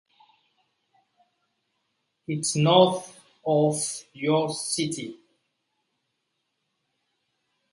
It is north of New York City.